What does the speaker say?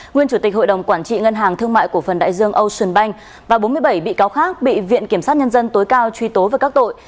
nguyên chủ tịch hội đồng quản trị ngân hàng thương mại cổ phần đại dương ocean bank và bốn mươi bảy bị cáo khác bị viện kiểm sát nhân dân tối cao truy tố về các tội